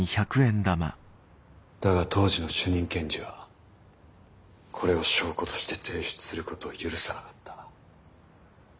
だが当時の主任検事はこれを証拠として提出することを許さなかった。